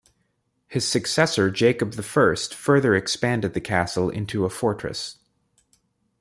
His successor Jacob I further expanded the castle into a fortress.